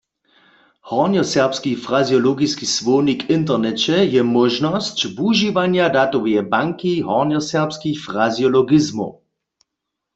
Hornjoserbski frazeologiski słownik w interneće je móžnosć wužiwanja datoweje banki hornjoserbskich frazeologizmow.